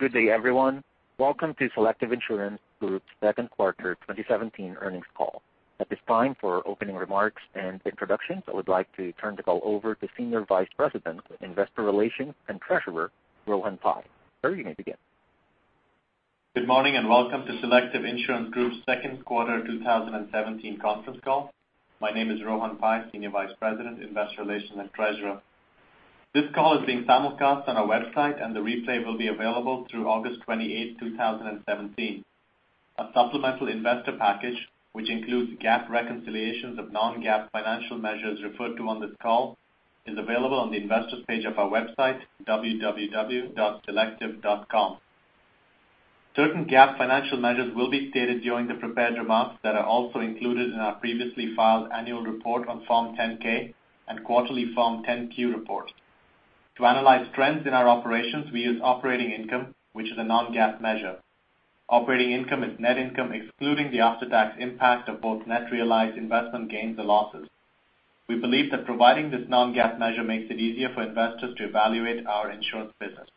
Good day, everyone. Welcome to Selective Insurance Group's second quarter 2017 earnings call. At this time, for opening remarks and introductions, I would like to turn the call over to Senior Vice President of Investor Relations and Treasurer, Rohan Pai. Sir, you may begin. Good morning, and welcome to Selective Insurance Group's second quarter 2017 conference call. My name is Rohan Pai, Senior Vice President, Investor Relations, and Treasurer. This call is being simulcast on our website, and the replay will be available through August 28, 2017. A supplemental investor package, which includes GAAP reconciliations of non-GAAP financial measures referred to on this call, is available on the investor's page of our website, www.selective.com. Certain GAAP financial measures will be stated during the prepared remarks that are also included in our previously filed annual report on Form 10-K and quarterly Form 10-Q report. To analyze trends in our operations, we use Operating Income, which is a non-GAAP measure. Operating Income is net income excluding the after-tax impact of both net realized investment gains or losses. We believe that providing this non-GAAP measure makes it easier for investors to evaluate our insurance business.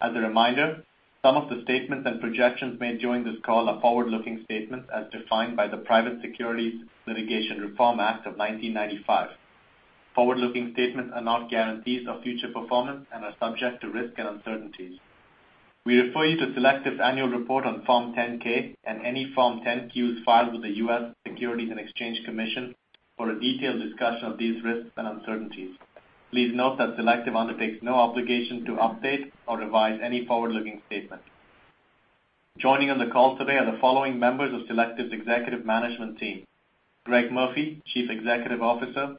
As a reminder, some of the statements and projections made during this call are forward-looking statements as defined by the Private Securities Litigation Reform Act of 1995. Forward-looking statements are not guarantees of future performance and are subject to risk and uncertainties. We refer you to Selective's annual report on Form 10-K and any Form 10-Qs filed with the U.S. Securities and Exchange Commission for a detailed discussion of these risks and uncertainties. Please note that Selective undertakes no obligation to update or revise any forward-looking statement. Joining on the call today are the following members of Selective's executive management team: Greg Murphy, Chief Executive Officer,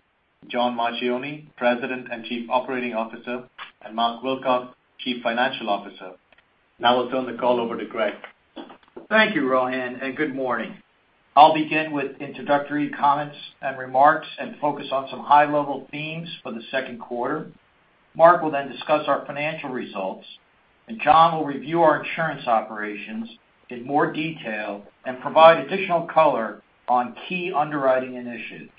John Marchioni, President and Chief Operating Officer, and Mark Wilcox, Chief Financial Officer. Now I'll turn the call over to Greg. Thank you, Rohan, and good morning. I'll begin with introductory comments and remarks and focus on some high-level themes for the second quarter. Mark will then discuss our financial results, and John will review our insurance operations in more detail and provide additional color on key underwriting initiatives.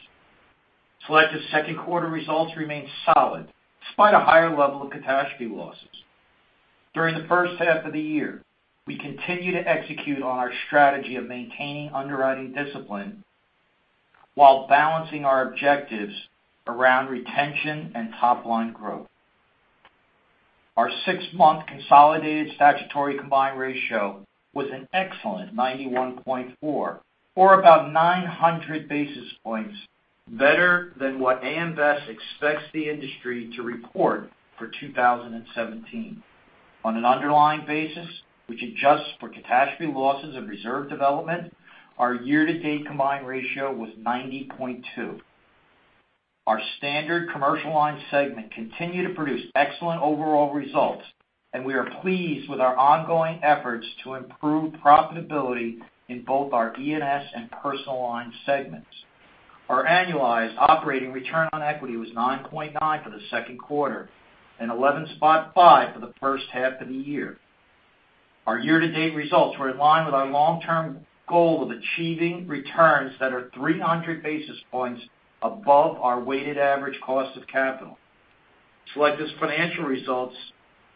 Selective's second quarter results remain solid despite a higher level of catastrophe losses. During the first half of the year, we continue to execute on our strategy of maintaining underwriting discipline while balancing our objectives around retention and top-line growth. Our six-month consolidated statutory combined ratio was an excellent 91.4% or about 900 basis points better than what AM Best expects the industry to report for 2017. On an underlying basis, which adjusts for catastrophe losses and reserve development, our year-to-date combined ratio was 90.2%. Our Standard Commercial Lines segment continued to produce excellent overall results, and we are pleased with our ongoing efforts to improve profitability in both our E&S and Personal Lines segments. Our annualized operating return on equity was 9.9% for the second quarter and 11.5% for the first half of the year. Our year-to-date results were in line with our long-term goal of achieving returns that are 300 basis points above our weighted average cost of capital. Selective's financial results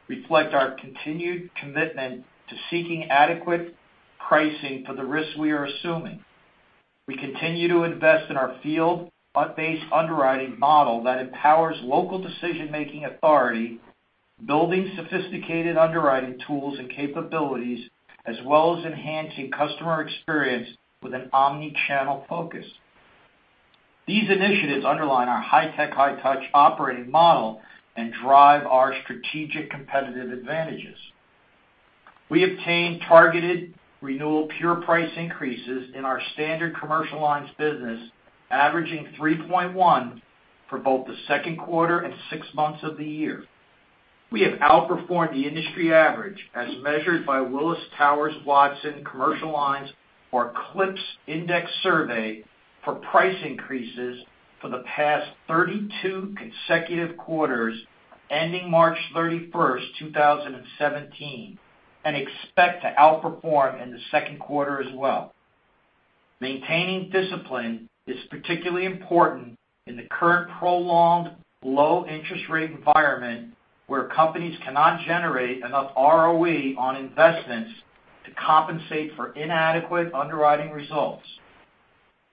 reflect our continued commitment to seeking adequate pricing for the risks we are assuming. We continue to invest in our field-based underwriting model that empowers local decision-making authority, building sophisticated underwriting tools and capabilities, as well as enhancing customer experience with an omnichannel focus. These initiatives underline our high-tech, high-touch operating model and drive our strategic competitive advantages. We obtained targeted renewal pure price increases in our Standard Commercial Lines business, averaging 3.1% for both the second quarter and six months of the year. We have outperformed the industry average as measured by Willis Towers Watson Commercial Lines, or CLIPS Index Survey for price increases for the past 32 consecutive quarters ending March 31, 2017, and expect to outperform in the second quarter as well. Maintaining discipline is particularly important in the current prolonged low-interest rate environment where companies cannot generate enough ROE on investments to compensate for inadequate underwriting results.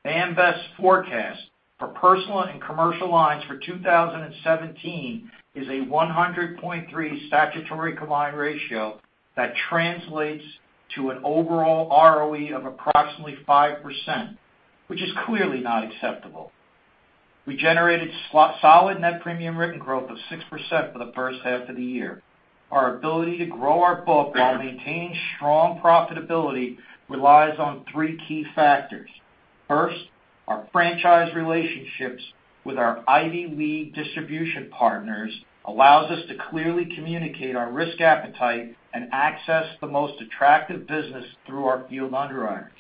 AM Best forecast for Personal and Commercial Lines for 2017 is a 100.3 statutory combined ratio that translates to an overall ROE of approximately 5%, which is clearly not acceptable. We generated solid net premium written growth of 6% for the first half of the year. Our ability to grow our book while maintaining strong profitability relies on three key factors. First, our franchise relationships with our Ivy League distribution partners allows us to clearly communicate our risk appetite and access the most attractive business through our field underwriters.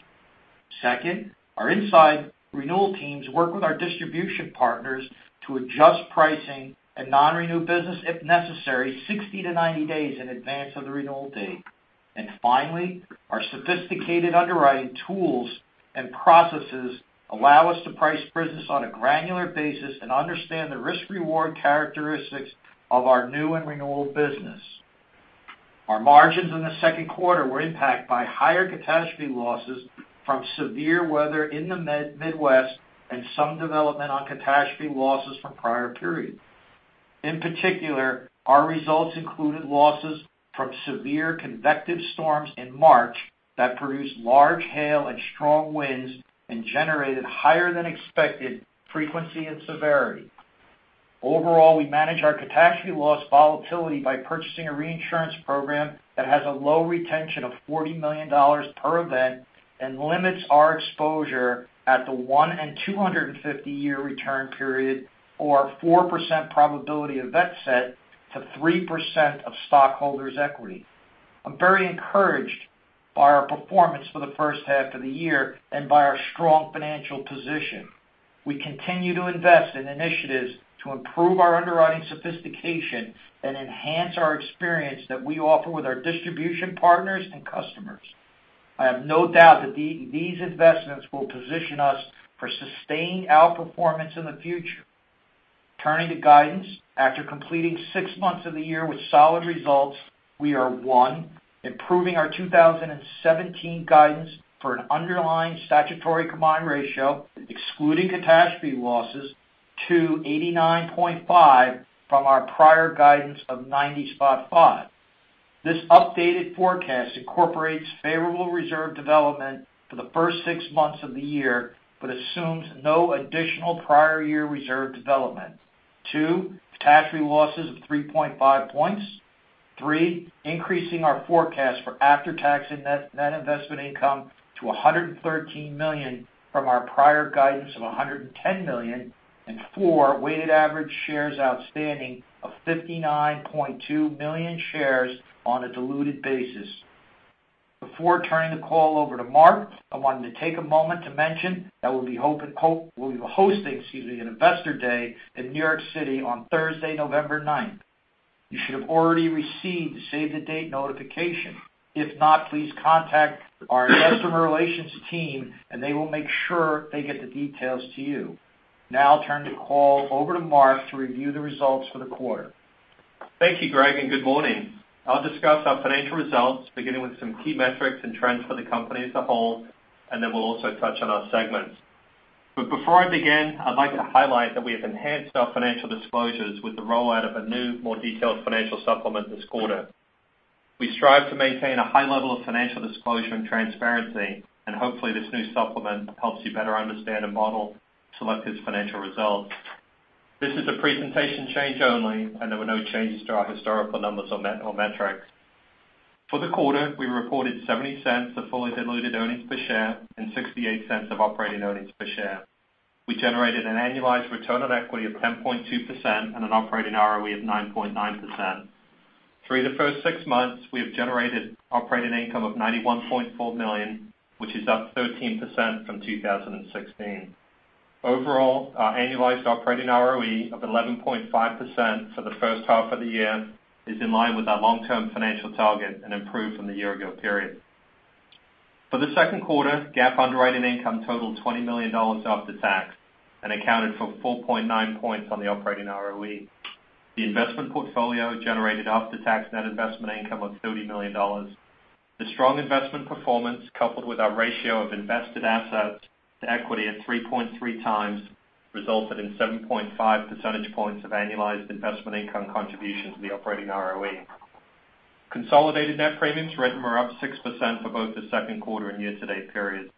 Second, our inside renewal teams work with our distribution partners to adjust pricing and non-renew business if necessary 60-90 days in advance of the renewal date. Finally, our sophisticated underwriting tools and processes allow us to price business on a granular basis and understand the risk-reward characteristics of our new and renewal business. Our margins in the second quarter were impacted by higher catastrophe losses from severe weather in the Midwest and some development on catastrophe losses from prior periods. In particular, our results included losses from severe convective storms in March that produced large hail and strong winds and generated higher than expected frequency and severity. Overall, we manage our catastrophe loss volatility by purchasing a reinsurance program that has a low retention of $40 million per event and limits our exposure at the one and 250-year return period or 4% probability of net set to 3% of stockholders' equity. I'm very encouraged by our performance for the first half of the year and by our strong financial position. We continue to invest in initiatives to improve our underwriting sophistication and enhance our experience that we offer with our distribution partners and customers. I have no doubt that these investments will position us for sustained outperformance in the future. Turning to guidance. After completing six months of the year with solid results, we are, one, improving our 2017 guidance for an underlying statutory combined ratio, excluding catastrophe losses, to 89.5% from our prior guidance of 90.5%. This updated forecast incorporates favorable reserve development for the first six months of the year but assumes no additional prior year reserve development. Two, catastrophe losses of 3.5 points. Three, increasing our forecast for after-tax net investment income to $113 million from our prior guidance of $110 million. Four, weighted average shares outstanding of 59.2 million shares on a diluted basis. Before turning the call over to Mark, I wanted to take a moment to mention that we'll be hosting an Investor Day in New York City on Thursday, November 9th. You should have already received the save-the-date notification. If not, please contact our investor relations team, and they will make sure they get the details to you. I'll turn the call over to Mark to review the results for the quarter. Thank you, Greg, and good morning. I'll discuss our financial results, beginning with some key metrics and trends for the company as a whole, and then we'll also touch on our segments. Before I begin, I'd like to highlight that we have enhanced our financial disclosures with the rollout of a new, more detailed financial supplement this quarter. We strive to maintain a high level of financial disclosure and transparency, and hopefully, this new supplement helps you better understand and model Selective's financial results. This is a presentation change only, and there were no changes to our historical numbers or metrics. For the quarter, we reported $0.70 of fully diluted earnings per share and $0.68 of operating earnings per share. We generated an annualized return on equity of 10.2% and an operating ROE of 9.9%. Through the first six months, we have generated operating income of $91.4 million, which is up 13% from 2016. Overall, our annualized operating ROE of 11.5% for the first half of the year is in line with our long-term financial target and improved from the year ago period. For the second quarter, GAAP underwriting income totaled $20 million after tax and accounted for 4.9 points on the operating ROE. The investment portfolio generated after-tax net investment income of $30 million. The strong investment performance, coupled with our ratio of invested assets to equity at 3.3 times, resulted in 7.5 percentage points of annualized investment income contribution to the operating ROE. Consolidated net premiums written were up 6% for both the second quarter and year-to-date periods.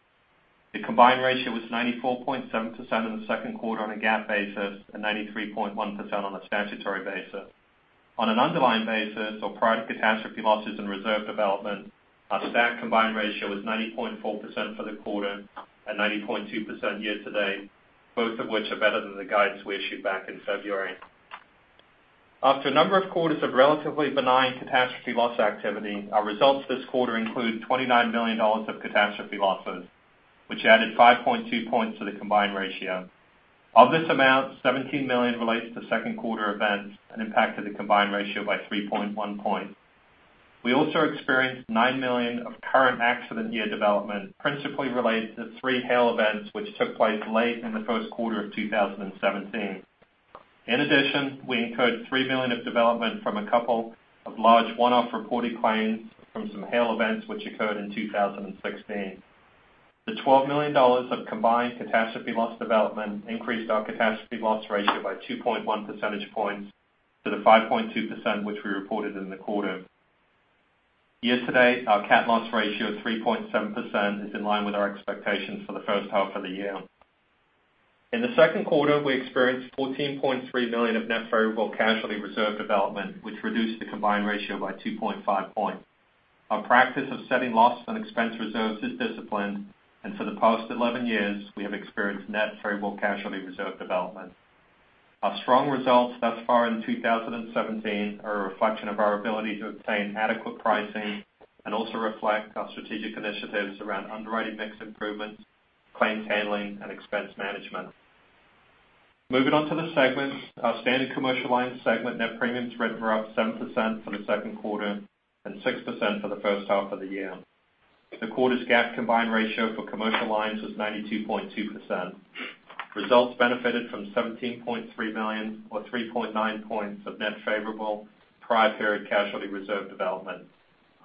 The combined ratio was 94.7% in the second quarter on a GAAP basis and 93.1% on a statutory basis. On an underlying basis or prior to catastrophe losses and reserve development, our stat combined ratio was 90.4% for the quarter and 90.2% year-to-date, both of which are better than the guidance we issued back in February. After a number of quarters of relatively benign catastrophe loss activity, our results this quarter include $29 million of catastrophe losses, which added 5.2 points to the combined ratio. Of this amount, $17 million relates to second quarter events and impacted the combined ratio by 3.1 point. We also experienced $9 million of current accident year development, principally related to three hail events which took place late in the first quarter of 2017. In addition, we incurred $3 million of development from a couple of large one-off reported claims from some hail events which occurred in 2016. The $12 million of combined catastrophe loss development increased our catastrophe loss ratio by 2.1 percentage points to the 5.2%, which we reported in the quarter. Year-to-date, our cat loss ratio of 3.7% is in line with our expectations for the first half of the year. In the second quarter, we experienced $14.3 million of net variable casualty reserve development, which reduced the combined ratio by 2.5 points. Our practice of setting loss and expense reserves is disciplined, and for the past 11 years, we have experienced net variable casualty reserve development. Our strong results thus far in 2017 are a reflection of our ability to obtain adequate pricing and also reflect our strategic initiatives around underwriting mix improvements, claims handling, and expense management. Moving on to the segments. Our Standard Commercial Lines segment net premiums written were up 7% for the second quarter and 6% for the first half of the year. The quarter's GAAP combined ratio for Commercial Lines was 92.2%. Results benefited from $17.3 million or 3.9 points of net favorable prior period casualty reserve development.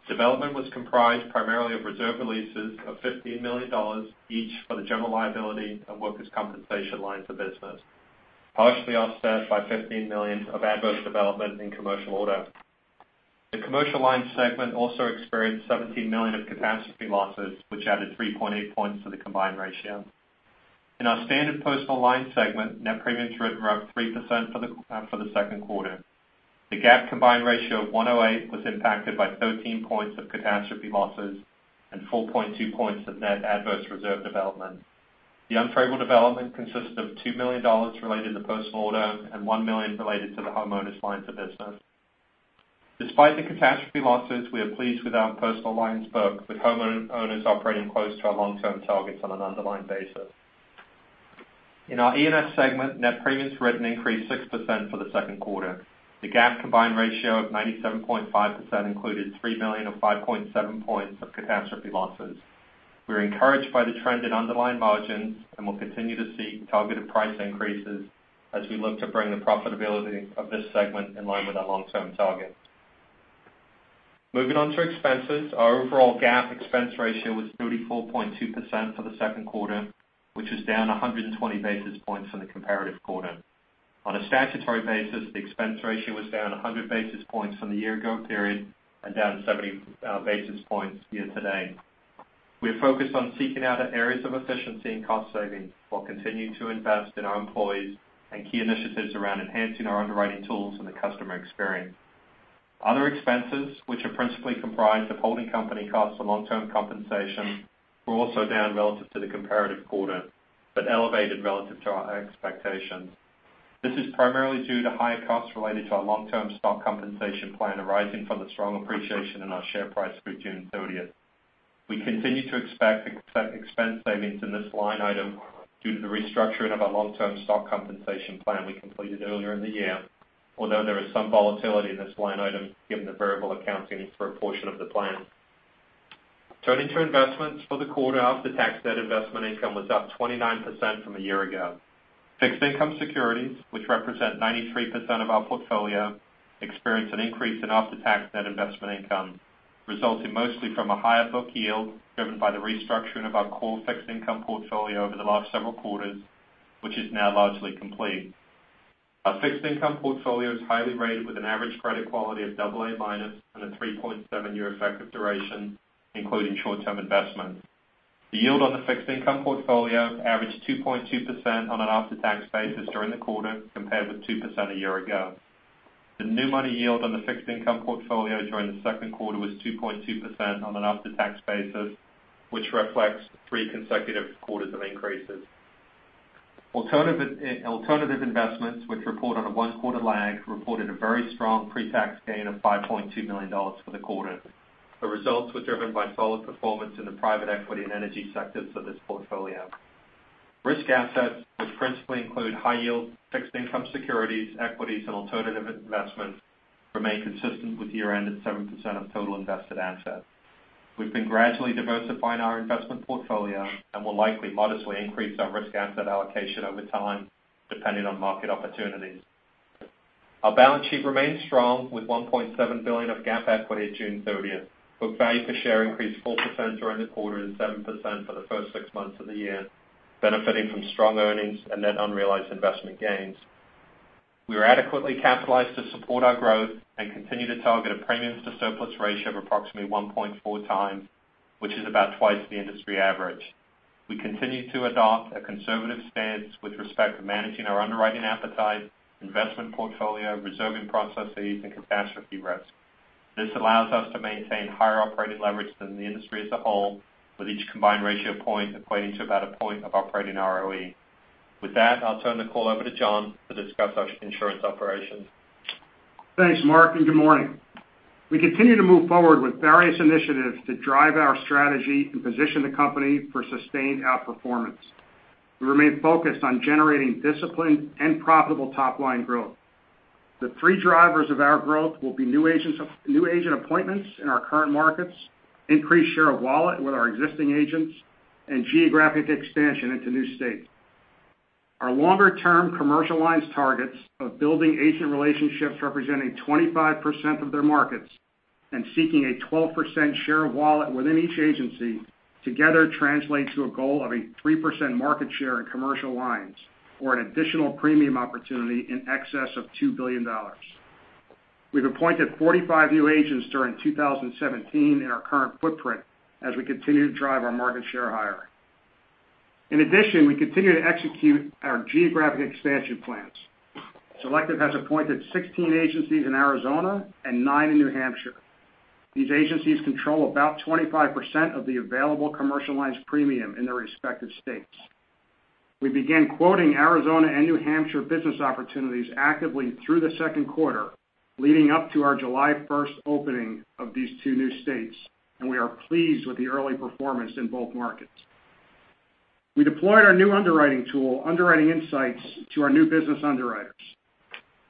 Development was comprised primarily of reserve releases of $15 million each for the General Liability and Workers' Compensation lines of business, partially offset by $15 million of adverse development in Commercial Auto. The Commercial Lines segment also experienced $17 million of catastrophe losses, which added 3.8 points to the combined ratio. In our Standard Personal Lines segment, net premiums written were up 3% for the second quarter. The GAAP combined ratio of 108 was impacted by 13 points of catastrophe losses and 4.2 points of net adverse reserve development. The unfavorable development consisted of $2 million related to Personal Auto and $1 million related to the homeowners lines of business. Despite the catastrophe losses, we are pleased with our Personal Lines book, with homeowners operating close to our long-term targets on an underlying basis. In our E&S segment, net premiums written increased 6% for the second quarter. The GAAP combined ratio of 97.5% included $3 million of 5.7 points of catastrophe losses. We're encouraged by the trend in underlying margins and will continue to seek targeted price increases as we look to bring the profitability of this segment in line with our long-term target. Moving on to expenses, our overall GAAP expense ratio was 34.2% for the second quarter, which was down 120 basis points from the comparative quarter. On a statutory basis, the expense ratio was down 100 basis points from the year-ago period and down 70 basis points year-to-date. We're focused on seeking out areas of efficiency and cost savings while continuing to invest in our employees and key initiatives around enhancing our underwriting tools and the customer experience. Other expenses, which are principally comprised of holding company costs for long-term compensation, were also down relative to the comparative quarter, but elevated relative to our expectations. This is primarily due to higher costs related to our long-term stock compensation plan arising from the strong appreciation in our share price through June 30th. We continue to expect expense savings in this line item due to the restructuring of our long-term stock compensation plan we completed earlier in the year, although there is some volatility in this line item given the variable accounting for a portion of the plan. Turning to investments for the quarter, after-tax debt investment income was up 29% from a year-ago. Fixed income securities, which represent 93% of our portfolio, experienced an increase in after-tax net investment income, resulting mostly from a higher book yield driven by the restructuring of our core fixed income portfolio over the last several quarters, which is now largely complete. Our fixed income portfolio is highly rated with an average credit quality of double A minus and a 3.7-year effective duration, including short-term investment. The yield on the fixed income portfolio averaged 2.2% on an after-tax basis during the quarter, compared with 2% a year-ago. The new money yield on the fixed income portfolio during the second quarter was 2.2% on an after-tax basis, which reflects three consecutive quarters of increases. Alternative investments, which report on a one-quarter lag, reported a very strong pre-tax gain of $5.2 million for the quarter. The results were driven by solid performance in the private equity and energy sectors for this portfolio. Risk assets, which principally include high yield fixed income securities, equities, and alternative investments, remain consistent with year-end at 7% of total invested assets. We've been gradually diversifying our investment portfolio and will likely modestly increase our risk asset allocation over time, depending on market opportunities. Our balance sheet remains strong with $1.7 billion of GAAP equity at June 30th. Book value per share increased 4% during the quarter and 7% for the first six months of the year, benefiting from strong earnings and net unrealized investment gains. We are adequately capitalized to support our growth and continue to target a premiums to surplus ratio of approximately 1.4 times, which is about twice the industry average. We continue to adopt a conservative stance with respect to managing our underwriting appetite, investment portfolio, reserving processes, and catastrophe risk. This allows us to maintain higher operating leverage than the industry as a whole, with each combined ratio point equating to about a point of operating ROE. With that, I'll turn the call over to John to discuss our insurance operations. Thanks, Mark, good morning. We continue to move forward with various initiatives to drive our strategy and position the company for sustained outperformance. We remain focused on generating disciplined and profitable top-line growth. The three drivers of our growth will be new agent appointments in our current markets, increased share of wallet with our existing agents, and geographic expansion into new states. Our longer-term commercial lines targets of building agent relationships representing 25% of their markets and seeking a 12% share of wallet within each agency together translates to a goal of a 3% market share in commercial lines or an additional premium opportunity in excess of $2 billion. We've appointed 45 new agents during 2017 in our current footprint as we continue to drive our market share higher. In addition, we continue to execute our geographic expansion plans. Selective has appointed 16 agencies in Arizona and nine in New Hampshire. These agencies control about 25% of the available commercial lines premium in their respective states. We began quoting Arizona and New Hampshire business opportunities actively through the second quarter leading up to our July 1st opening of these two new states. We are pleased with the early performance in both markets. We deployed our new underwriting tool, Underwriting Insights, to our new business underwriters.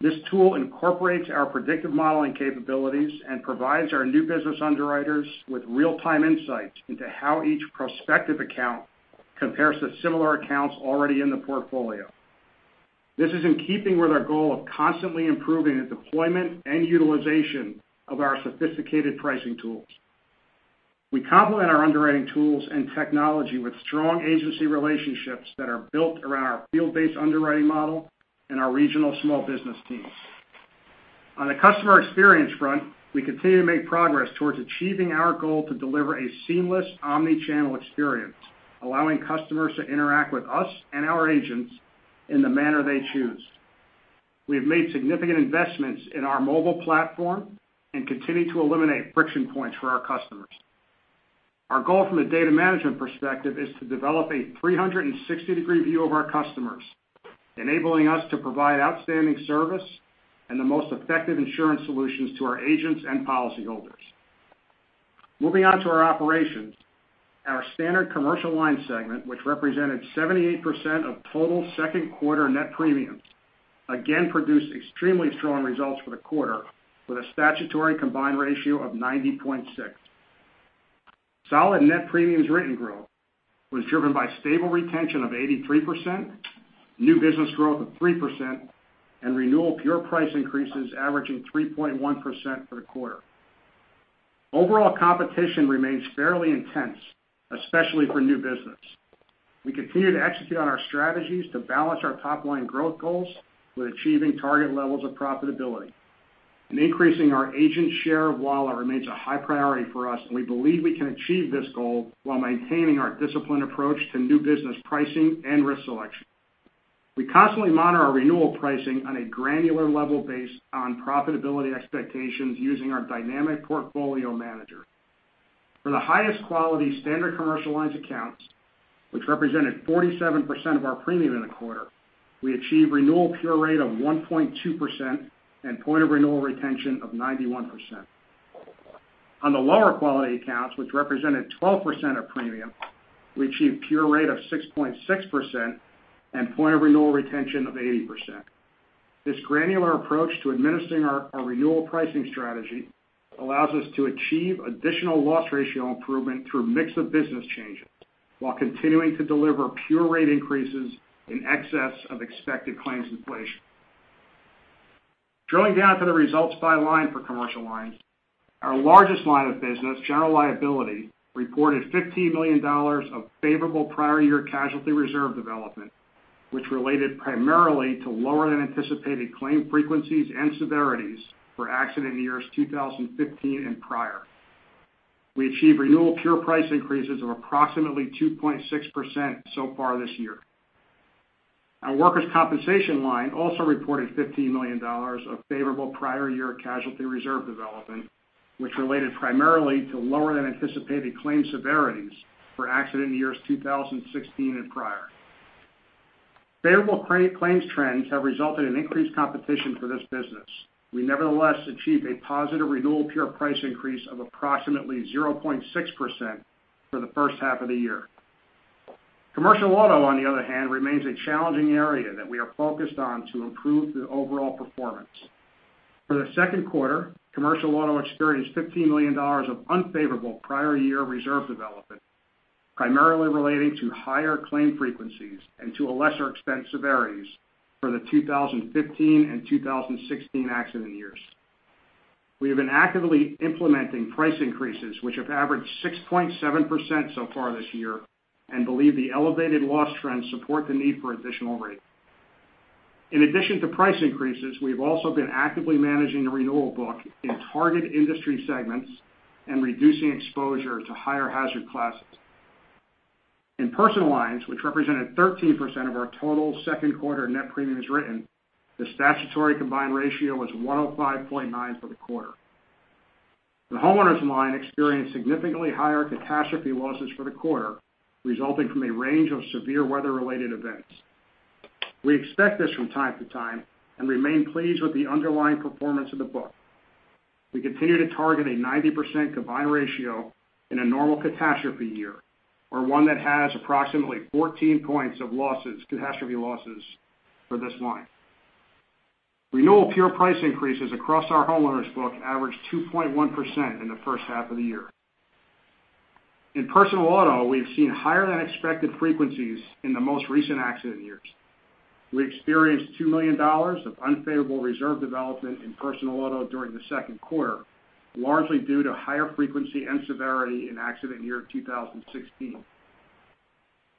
This tool incorporates our predictive modeling capabilities and provides our new business underwriters with real-time insights into how each prospective account compares to similar accounts already in the portfolio. This is in keeping with our goal of constantly improving the deployment and utilization of our sophisticated pricing tools. We complement our underwriting tools and technology with strong agency relationships that are built around our field-based underwriting model and our regional small business teams. On the customer experience front, we continue to make progress towards achieving our goal to deliver a seamless omni-channel experience, allowing customers to interact with us and our agents in the manner they choose. We have made significant investments in our mobile platform and continue to eliminate friction points for our customers. Our goal from a data management perspective is to develop a 360-degree view of our customers, enabling us to provide outstanding service and the most effective insurance solutions to our agents and policyholders. Moving on to our operations. Our Standard Commercial Lines segment, which represented 78% of total second quarter net premiums, again produced extremely strong results for the quarter, with a statutory combined ratio of 90.6. Solid net premiums written growth was driven by stable retention of 83%, new business growth of 3%, and renewal pure price increases averaging 3.1% for the quarter. Overall competition remains fairly intense, especially for new business. We continue to execute on our strategies to balance our top-line growth goals with achieving target levels of profitability. Increasing our agent share of wallet remains a high priority for us, and we believe we can achieve this goal while maintaining our disciplined approach to new business pricing and risk selection. We constantly monitor our renewal pricing on a granular level based on profitability expectations using our Dynamic Portfolio Manager. For the highest quality Standard Commercial Lines accounts, which represented 47% of our premium in the quarter, we achieved renewal pure rate of 1.2% and point of renewal retention of 91%. On the lower quality accounts, which represented 12% of premium, we achieved pure rate of 6.6% and point of renewal retention of 80%. This granular approach to administering our renewal pricing strategy allows us to achieve additional loss ratio improvement through mix of business changes while continuing to deliver pure rate increases in excess of expected claims inflation. Drilling down to the results by line for Commercial Lines, our largest line of business, General Liability, reported $15 million of favorable prior year casualty reserve development, which related primarily to lower than anticipated claim frequencies and severities for accident years 2015 and prior. We achieved renewal pure price increases of approximately 2.6% so far this year. Our Workers' Compensation line also reported $15 million of favorable prior year casualty reserve development, which related primarily to lower than anticipated claims severities for accident years 2016 and prior. Favorable claims trends have resulted in increased competition for this business. We nevertheless achieved a positive renewal pure price increase of approximately 0.6% for the first half of the year. Commercial Auto, on the other hand, remains a challenging area that we are focused on to improve the overall performance. For the second quarter, Commercial Auto experienced $15 million of unfavorable prior year reserve development, primarily relating to higher claim frequencies and, to a lesser extent, severities for the 2015 and 2016 accident years. We have been actively implementing price increases, which have averaged 6.7% so far this year, and believe the elevated loss trends support the need for additional rate. In addition to price increases, we've also been actively managing the renewal book in target industry segments and reducing exposure to higher hazard classes. In Personal Lines, which represented 13% of our total second quarter net premiums written, the statutory combined ratio was 105.9 for the quarter. The Homeowners line experienced significantly higher catastrophe losses for the quarter, resulting from a range of severe weather-related events. We expect this from time to time and remain pleased with the underlying performance of the book. We continue to target a 90% combined ratio in a normal catastrophe year, or one that has approximately 14 points of catastrophe losses for this line. Renewal pure price increases across our Homeowners book averaged 2.1% in the first half of the year. In Personal Auto, we've seen higher than expected frequencies in the most recent accident years. We experienced $2 million of unfavorable reserve development in Personal Auto during the second quarter, largely due to higher frequency and severity in accident year 2016.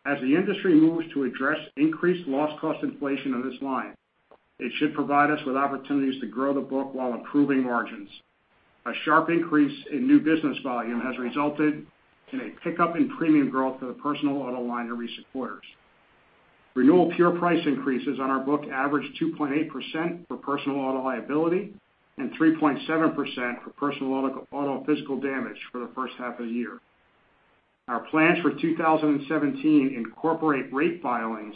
As the industry moves to address increased loss cost inflation on this line, it should provide us with opportunities to grow the book while improving margins. A sharp increase in new business volume has resulted in a pickup in premium growth for the Personal Auto line in recent quarters. Renewal pure price increases on our book averaged 2.8% for Personal Auto Liability and 3.7% for Personal Auto Physical Damage for the first half of the year. Our plans for 2017 incorporate rate filings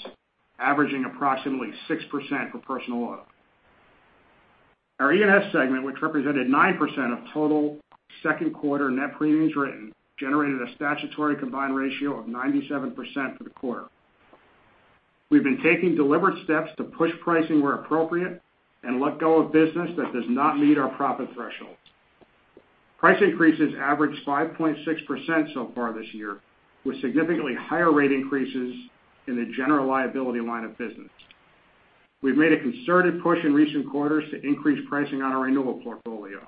averaging approximately 6% for Personal Auto. Our E&S segment, which represented 9% of total second quarter net premiums written, generated a statutory combined ratio of 97% for the quarter. We've been taking deliberate steps to push pricing where appropriate and let go of business that does not meet our profit threshold. Price increases averaged 5.6% so far this year, with significantly higher rate increases in the General Liability line of business. We've made a concerted push in recent quarters to increase pricing on our renewal portfolio.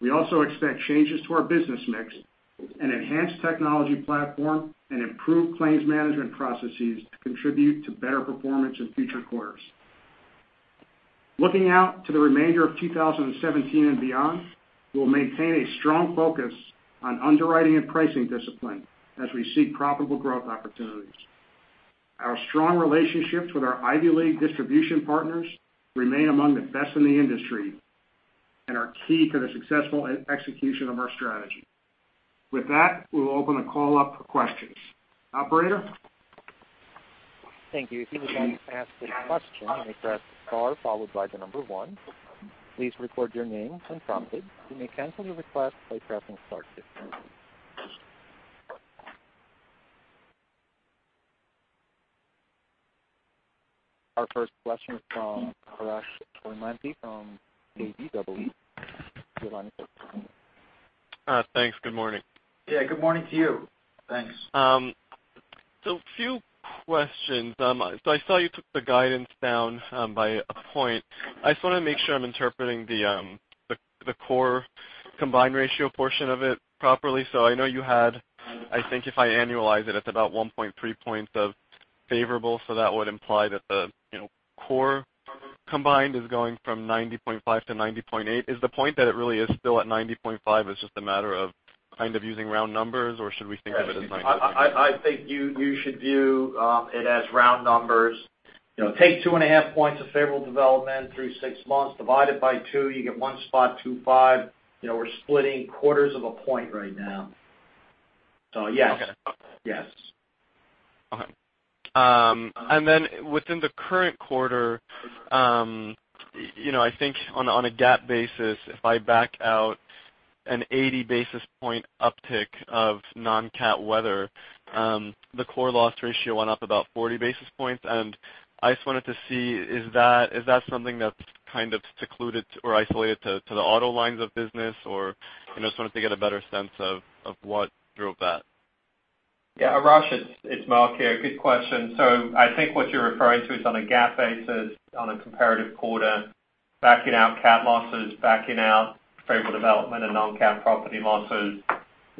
We also expect changes to our business mix, an enhanced technology platform, and improved claims management processes to contribute to better performance in future quarters. Looking out to the remainder of 2017 and beyond, we'll maintain a strong focus on underwriting and pricing discipline as we seek profitable growth opportunities. Our strong relationships with our Ivy League distribution partners remain among the best in the industry and are key to the successful execution of our strategy. With that, we'll open the call up for questions. Operator? Thank you. If you would like to ask a question, you may press star followed by the number one. Please record your name when prompted. You may cancel your request by pressing star 2. Our first question is from Arash Esmaili from JMP Securities. Your line is open. Thanks. Good morning. Yeah. Good morning to you. Thanks. A few questions. I saw you took the guidance down by a point. I just want to make sure I'm interpreting the core combined ratio portion of it properly. I know you had, I think if I annualize it's about 1.3 points of favorable, so that would imply that the core combined is going from 90.5 to 90.8. Is the point that it really is still at 90.5, it's just a matter of kind of using round numbers, or should we think of it as 90.5? I think you should view it as round numbers. Take two and a half points of favorable development through six months, divide it by two, you get 1.25. We're splitting quarters of a point right now. Yes. Okay. Yes. Okay. Within the current quarter, I think on a GAAP basis, if I back out an 80 basis point uptick of non-CAT weather, the core loss ratio went up about 40 basis points. I just wanted to see, is that something that's kind of secluded or isolated to the auto lines of business, or I just wanted to get a better sense of what drove that. Yeah, Arash, it's Mark here. Good question. I think what you're referring to is on a GAAP basis, on a comparative quarter, backing out CAT losses, backing out favorable development and non-CAT property losses.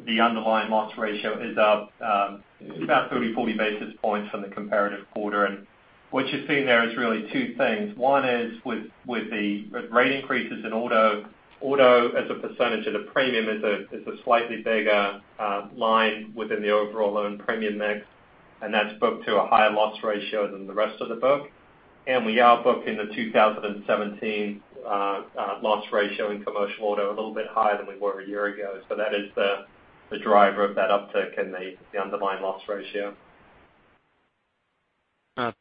The underlying loss ratio is up about 30, 40 basis points from the comparative quarter. What you're seeing there is really two things. One is with the rate increases in auto as a percentage of the premium is a slightly bigger line within the overall loan premium mix, and that's booked to a higher loss ratio than the rest of the book. We are booking the 2017 loss ratio in Commercial Auto a little bit higher than we were a year ago. That is the driver of that uptick in the underlying loss ratio.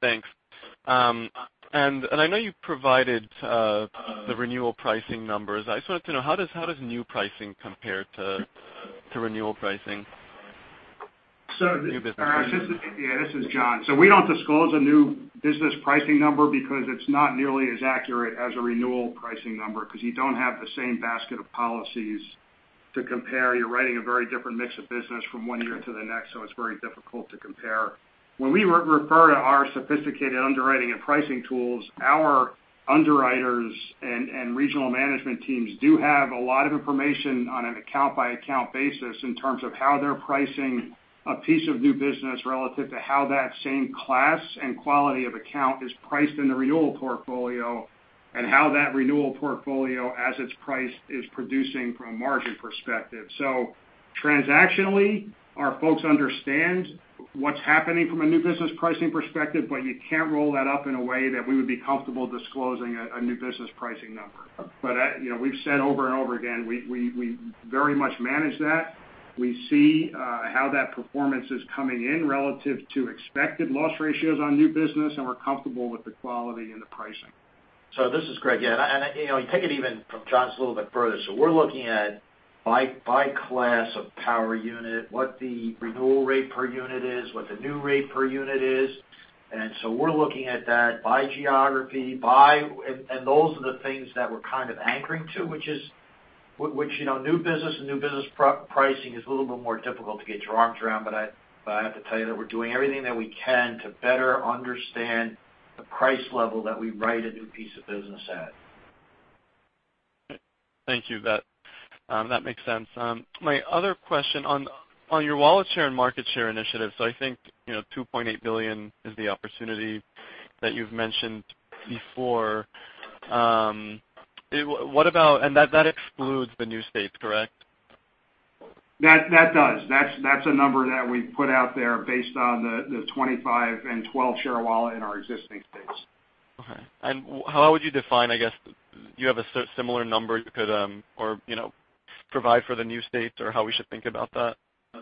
Thanks. I know you provided the renewal pricing numbers. I just wanted to know, how does new pricing compare to renewal pricing? New business pricing. Yeah, this is John. We don't disclose a new business pricing number because it's not nearly as accurate as a renewal pricing number because you don't have the same basket of policies to compare. You're writing a very different mix of business from one year to the next, so it's very difficult to compare. When we refer to our sophisticated underwriting and pricing tools, our underwriters and regional management teams do have a lot of information on an account-by-account basis in terms of how they're pricing a piece of new business relative to how that same class and quality of account is priced in the renewal portfolio, and how that renewal portfolio, as it's priced, is producing from a margin perspective. Transactionally, our folks understand what's happening from a new business pricing perspective, you can't roll that up in a way that we would be comfortable disclosing a new business pricing number. We've said over and over again, we very much manage that. We see how that performance is coming in relative to expected loss ratios on new business, and we're comfortable with the quality and the pricing. This is Greg. Yeah, take it even from John's a little bit further. We're looking at by class of power unit, what the renewal rate per unit is, what the new rate per unit is. We're looking at that by geography. Those are the things that we're kind of anchoring to, which new business and new business pricing is a little bit more difficult to get your arms around. I have to tell you that we're doing everything that we can to better understand the price level that we write a new piece of business at. Thank you. That makes sense. My other question on your wallet share and market share initiatives, I think $2.8 billion is the opportunity that you've mentioned before. That excludes the new states, correct? That does. That's a number that we've put out there based on the 25 and 12 share wallet in our existing states. Okay. How would you define, I guess, do you have a similar number you could provide for the new states, or how we should think about that?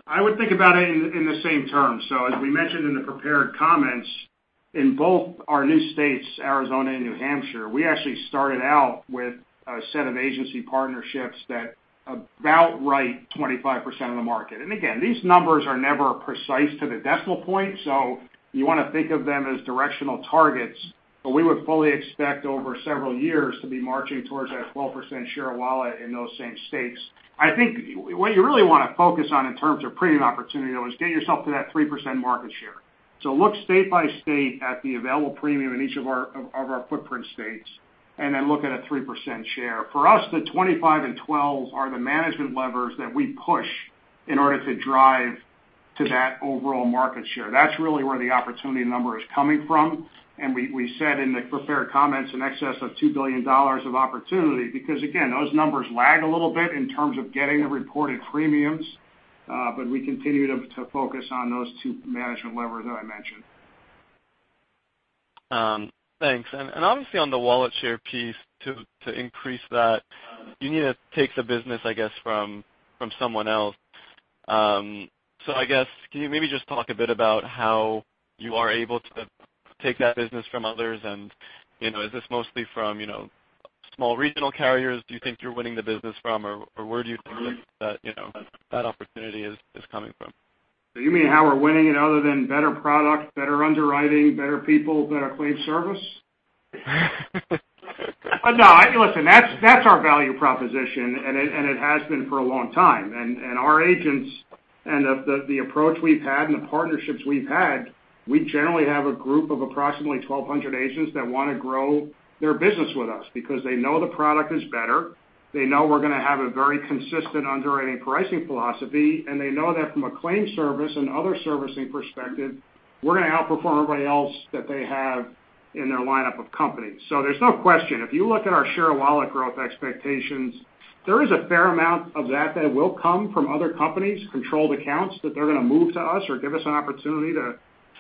I would think about it in the same terms. As we mentioned in the prepared comments, in both our new states, Arizona and New Hampshire, we actually started out with a set of agency partnerships that about right 25% of the market. Again, these numbers are never precise to the decimal point, so you want to think of them as directional targets. We would fully expect over several years to be marching towards that 12% share of wallet in those same states. I think what you really want to focus on in terms of premium opportunity, though, is get yourself to that 3% market share. Look state by state at the available premium in each of our footprint states, and then look at a 3% share. For us, the 25 and 12 are the management levers that we push in order to drive to that overall market share. That's really where the opportunity number is coming from. We said in the prepared comments, in excess of $2 billion of opportunity, because again, those numbers lag a little bit in terms of getting the reported premiums. We continue to focus on those two management levers that I mentioned. Thanks. Obviously on the wallet share piece, to increase that, you need to take the business, I guess, from someone else. I guess, can you maybe just talk a bit about how you are able to take that business from others? Is this mostly from small regional carriers, do you think you're winning the business from, or where do you think that opportunity is coming from? You mean how we're winning it other than better product, better underwriting, better people, better claims service? No, listen, that's our value proposition, and it has been for a long time. Our agents and the approach we've had and the partnerships we've had, we generally have a group of approximately 1,200 agents that want to grow their business with us because they know the product is better, they know we're going to have a very consistent underwriting pricing philosophy, and they know that from a claim service and other servicing perspective, we're going to outperform everybody else that they have in their lineup of companies. There's no question, if you look at our share of wallet growth expectations, there is a fair amount of that that will come from other companies, controlled accounts that they're going to move to us or give us an opportunity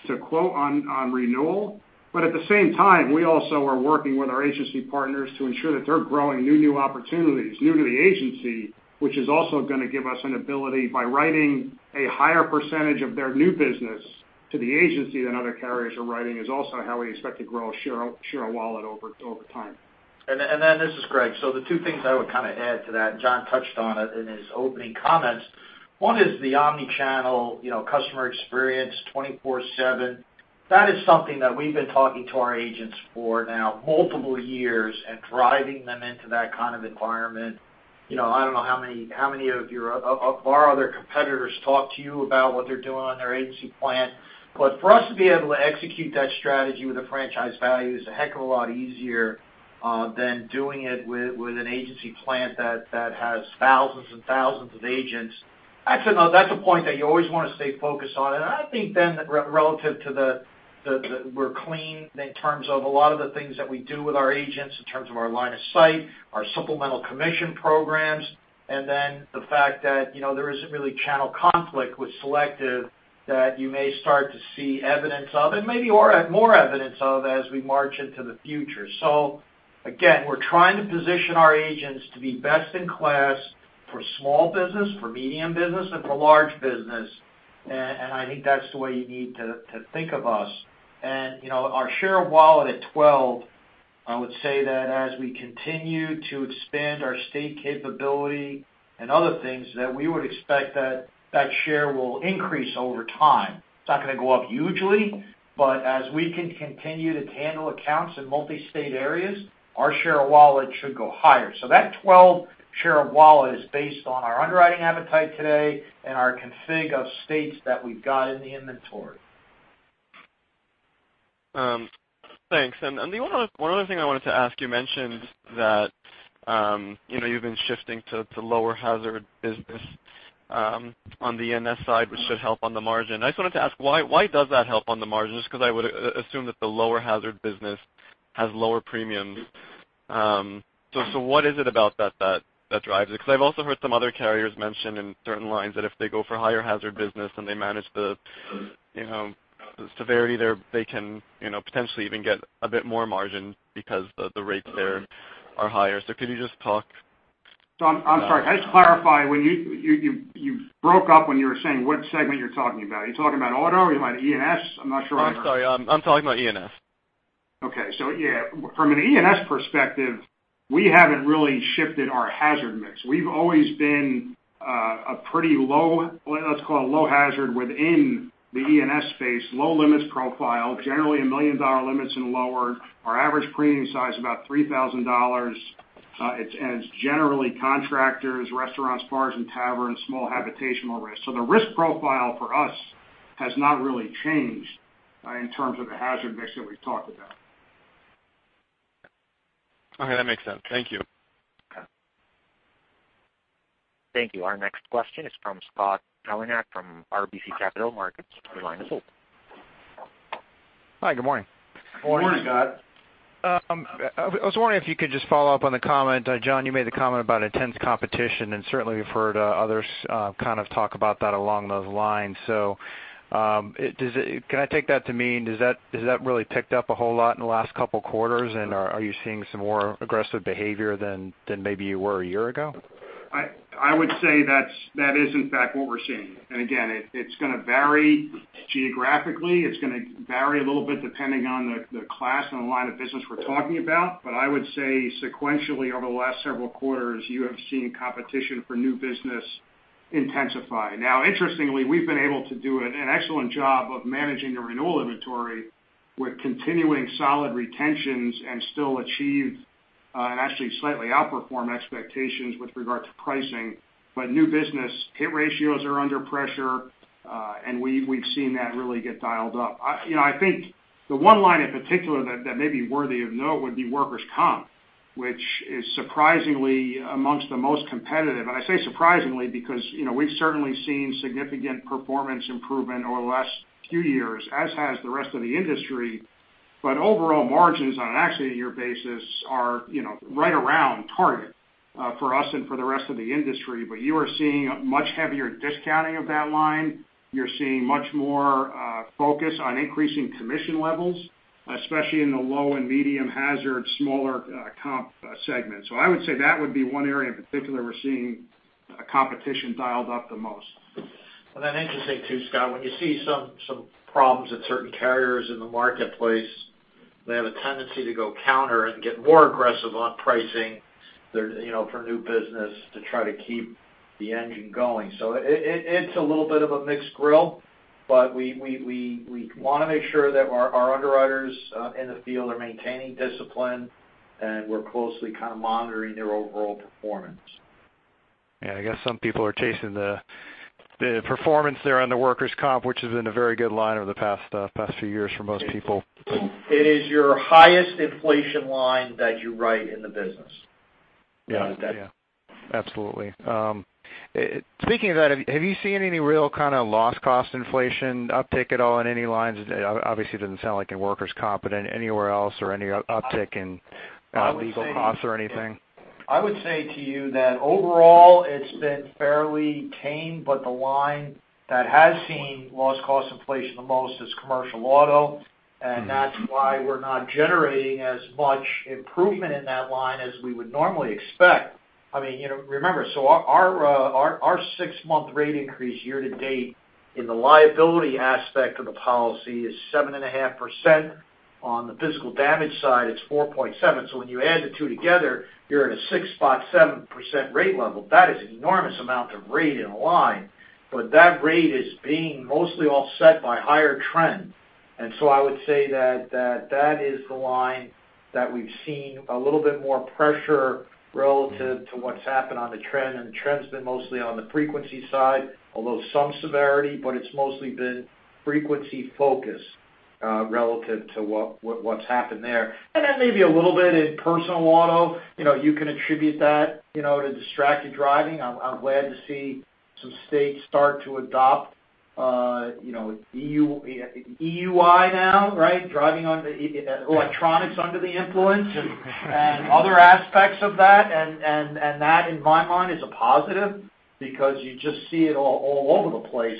to quote on renewal. At the same time, we also are working with our agency partners to ensure that they're growing new opportunities, new to the agency, which is also going to give us an ability by writing a higher percentage of their new business to the agency than other carriers are writing is also how we expect to grow share of wallet over time. This is Greg. The two things I would add to that, John touched on it in his opening comments. One is the omni-channel customer experience 24/7. That is something that we've been talking to our agents for now multiple years and driving them into that kind of environment. I don't know how many of our other competitors talk to you about what they're doing on their agency plan. For us to be able to execute that strategy with a franchise value is a heck of a lot easier than doing it with an agency plan that has thousands and thousands of agents. That's a point that you always want to stay focused on. I think then that relative to the, we're clean in terms of a lot of the things that we do with our agents in terms of our line of sight, our supplemental commission programs, then the fact that there isn't really channel conflict with Selective that you may start to see evidence of, and maybe more evidence of as we march into the future. Again, we're trying to position our agents to be best in class for small business, for medium business, and for large business. I think that's the way you need to think of us. Our share of wallet at 12, I would say that as we continue to expand our state capability and other things, that we would expect that that share will increase over time. It's not going to go up hugely, but as we can continue to handle accounts in multi-state areas, our share of wallet should go higher. That 12 share of wallet is based on our underwriting appetite today and our config of states that we've got in the inventory. Thanks. The one other thing I wanted to ask, you mentioned that you've been shifting to lower hazard business on the E&S side, which should help on the margin. I just wanted to ask, why does that help on the margin? Just because I would assume that the lower hazard business has lower premiums. What is it about that that drives it? Because I've also heard some other carriers mention in certain lines that if they go for higher hazard business and they manage the severity there, they can potentially even get a bit more margin because the rates there are higher. Could you just talk to that? I'm sorry. I just clarify, you broke up when you were saying what segment you're talking about. Are you talking about auto? Are you talking about E&S? I'm not sure. I'm sorry. I'm talking about E&S. Okay. Yeah, from an E&S perspective, we haven't really shifted our hazard mix. We've always been a pretty low, let's call it low hazard within the E&S space, low limits profile, generally a $1 million limits and lower. Our average premium size is about $3,000. It's generally contractors, restaurants, bars and taverns, small habitational risk. The risk profile for us has not really changed in terms of the hazard mix that we've talked about. Okay. That makes sense. Thank you. Okay. Thank you. Our next question is from Scott Heleniak from RBC Capital Markets. Your line is open. Hi, good morning. Good morning. Good morning, Scott. I was wondering if you could just follow up on the comment, John, you made the comment about intense competition, and certainly we've heard others talk about that along those lines. Can I take that to mean, has that really ticked up a whole lot in the last couple of quarters, and are you seeing some more aggressive behavior than maybe you were a year ago? I would say that is in fact what we're seeing. Again, it's going to vary geographically. It's going to vary a little bit depending on the class and the line of business we're talking about. I would say sequentially over the last several quarters, you have seen competition for new business intensify. Interestingly, we've been able to do an excellent job of managing the renewal inventory with continuing solid retentions and still achieve, and actually slightly outperform expectations with regard to pricing. New business hit ratios are under pressure, and we've seen that really get dialed up. I think the one line in particular that may be worthy of note would be workers' comp, which is surprisingly amongst the most competitive. I say surprisingly because we've certainly seen significant performance improvement over the last few years, as has the rest of the industry. Overall margins on an actually year basis are right around target for us and for the rest of the industry. You are seeing a much heavier discounting of that line. You're seeing much more focus on increasing commission levels, especially in the low and medium hazard, smaller comp segments. I would say that would be one area in particular we're seeing competition dialed up the most. Interesting too, Scott, when you see some problems with certain carriers in the marketplace, they have a tendency to go counter and get more aggressive on pricing for new business to try to keep the engine going. It's a little bit of a mixed grill, but we want to make sure that our underwriters in the field are maintaining discipline, and we're closely monitoring their overall performance. I guess some people are chasing the performance there on the Workers' Comp, which has been a very good line over the past few years for most people. It is your highest inflation line that you write in the business. Absolutely. Speaking of that, have you seen any real kind of loss cost inflation uptick at all in any lines? Obviously, it doesn't sound like in Workers' Comp, but anywhere else, or any uptick in legal costs or anything? I would say to you that overall it's been fairly tame, the line that has seen loss cost inflation the most is Commercial Auto, that's why we're not generating as much improvement in that line as we would normally expect. Remember, our six-month rate increase year to date in the liability aspect of the policy is 7.5%. On the physical damage side, it's 4.7%. When you add the two together, you're at a 6.7% rate level. That is an enormous amount of rate in a line. That rate is being mostly offset by higher trend. I would say that is the line that we've seen a little bit more pressure relative to what's happened on the trend, and the trend's been mostly on the frequency side, although some severity, but it's mostly been frequency focus relative to what's happened there. Maybe a little bit in Personal Auto. You can attribute that to distracted driving. I'm glad to see some states start to adopt DUI now, right? Driving electronics under the influence and other aspects of that in my mind is a positive because you just see it all over the place.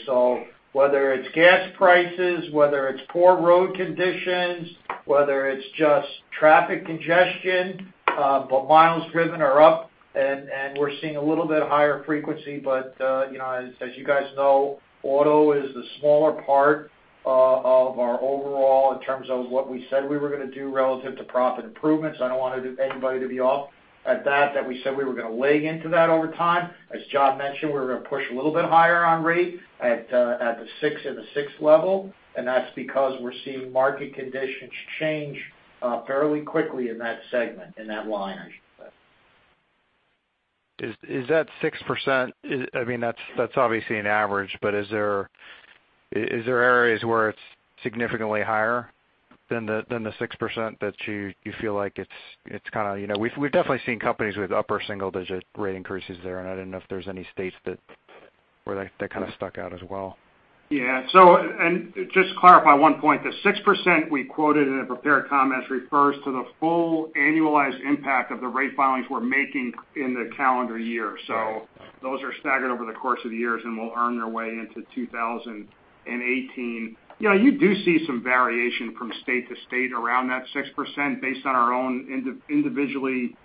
Whether it's gas prices, whether it's poor road conditions, whether it's just traffic congestion, miles driven are up, and we're seeing a little bit higher frequency. As you guys know, Auto is the smaller part of our overall in terms of what we said we were going to do relative to profit improvements. I don't want anybody to be off at that we said we were going to leg into that over time. As John mentioned, we were going to push a little bit higher on rate at the 6 and the 6 level, that's because we're seeing market conditions change fairly quickly in that segment, in that line, I should say. Is that 6%? That's obviously an average, is there areas where it's significantly higher than the 6% that you feel like it's kind of? We've definitely seen companies with upper single-digit rate increases there, I didn't know if there's any states that kind of stuck out as well. Yeah. Just to clarify one point, the 6% we quoted in the prepared comments refers to the full annualized impact of the rate filings we're making in the calendar year. Those are staggered over the course of the years and will earn their way into 2018. You do see some variation from state to state around that 6% based on our own individually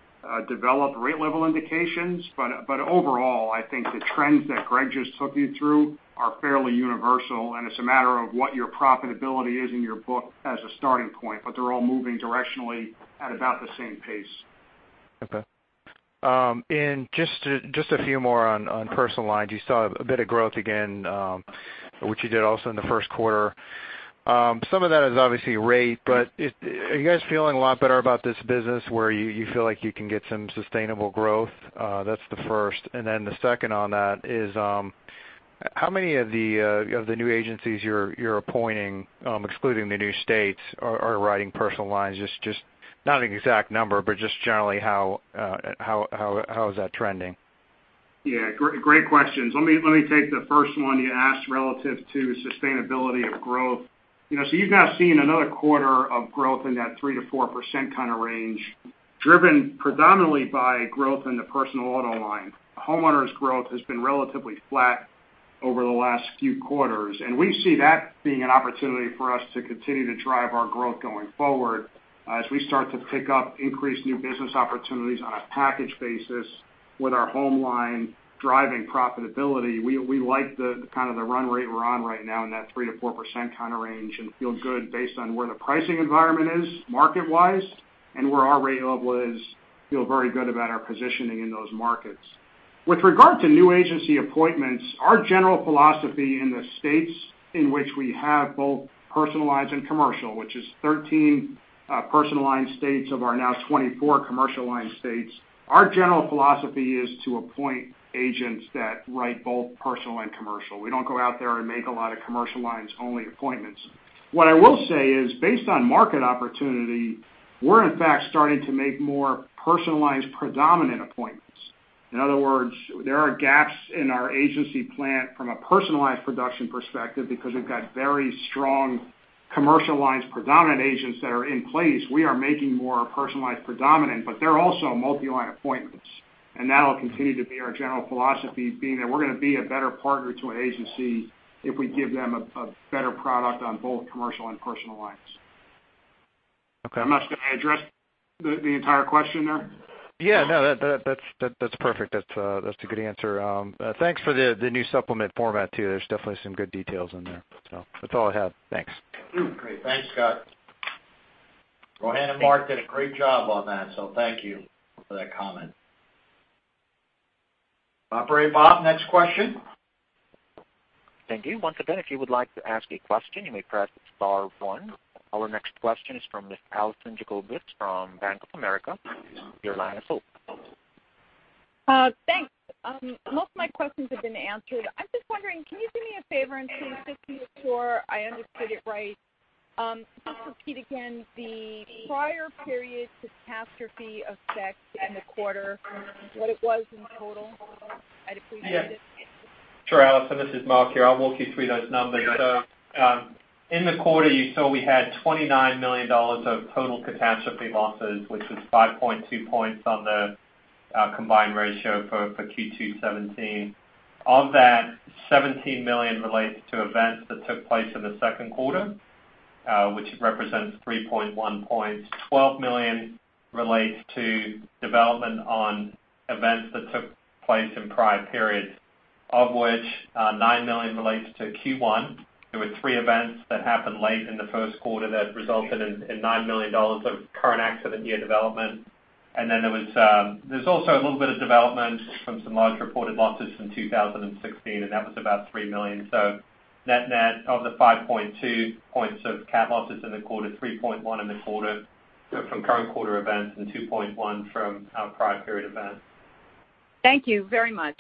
developed rate level indications. Overall, I think the trends that Greg just took you through are fairly universal, and it's a matter of what your profitability is in your book as a starting point. They're all moving directionally at about the same pace. Okay. Just a few more on personal lines. You saw a bit of growth again, which you did also in the first quarter. Some of that is obviously rate, but are you guys feeling a lot better about this business where you feel like you can get some sustainable growth? That's the first. The second on that is, how many of the new agencies you're appointing excluding the new states, are writing personal lines? Just not an exact number, but just generally how is that trending? Yeah, great questions. Let me take the first one you asked relative to sustainability of growth. You've now seen another quarter of growth in that 3%-4% kind of range, driven predominantly by growth in the Personal Auto line. Homeowners growth has been relatively flat over the last few quarters, and we see that being an opportunity for us to continue to drive our growth going forward as we start to pick up increased new business opportunities on a package basis with our home line driving profitability. We like the kind of the run rate we're on right now in that 3%-4% kind of range and feel good based on where the pricing environment is market-wise and where our rate level is. Feel very good about our positioning in those markets. With regard to new agency appointments, our general philosophy in the states in which we have both Standard Personal Lines and Standard Commercial Lines, which is 13 Standard Personal Lines states of our now 24 Standard Commercial Lines states, our general philosophy is to appoint agents that write both personal and commercial. We don't go out there and make a lot of Standard Commercial Lines only appointments. Based on market opportunity, we're in fact starting to make more Standard Personal Lines predominant appointments. In other words, there are gaps in our agency plan from a Standard Personal Lines production perspective because we've got very strong Standard Commercial Lines predominant agents that are in place. We are making more Standard Personal Lines predominant, but they're also multi-line appointments, and that will continue to be our general philosophy, being that we're going to be a better partner to an agency if we give them a better product on both Standard Commercial Lines and Standard Personal Lines. Okay. I'm not sure. Did I address the entire question there? Yeah, no, that's perfect. That's a good answer. Thanks for the new supplement format too. There's definitely some good details in there. That's all I have. Thanks. Great. Thanks, Scott. Rohan and Mark did a great job on that, thank you for that comment. Operator Bob, next question. Thank you. Once again, if you would like to ask a question, you may press star one. Our next question is from Miss Alison Jacobowitz from Bank of America. Your line is open. Thanks. Most of my questions have been answered. I am just wondering, can you do me a favor and just be sure I understood it right? Just repeat again the prior period catastrophe effect in the quarter, what it was in total. I appreciate it. Yeah. Sure, Alison, this is Mark here. I will walk you through those numbers. In the quarter, you saw we had $29 million of total catastrophe losses, which was 5.2 points on the combined ratio for Q2 2017. Of that, $17 million relates to events that took place in the second quarter, which represents 3.1 points. $12 million relates to development on events that took place in prior periods, of which $9 million relates to Q1. There were three events that happened late in the first quarter that resulted in $9 million of current accident year development. There is also a little bit of development from some large reported losses from 2016, and that was about $3 million. Net of the 5.2 points of cat losses in the quarter, 3.1 in the quarter from current quarter events and 2.1 from prior period events. Thank you very much.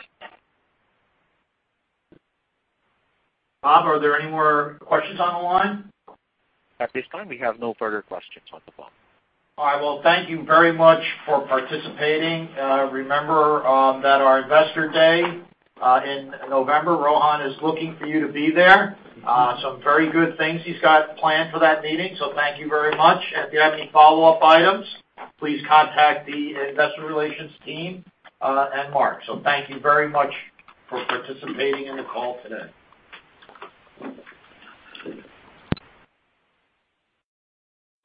Bob, are there any more questions on the line? At this time, we have no further questions on the phone. All right. Well, thank you very much for participating. Remember that our Investor Day in November, Rohan is looking for you to be there. Some very good things he's got planned for that meeting, thank you very much. If you have any follow-up items, please contact the investor relations team, and Mark. Thank you very much for participating in the call today.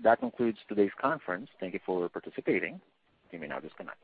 That concludes today's conference. Thank you for participating. You may now disconnect.